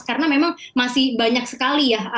karena memang masih banyak sekali ya